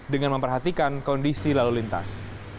dengan memperhatikan kondisi lalu lintas